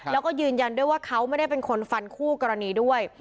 แล้วก็ยืนยันด้วยว่าเขาไม่ได้เป็นคนฟันคู่กรณีด้วย